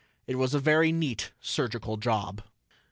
It was a very neat surgical job.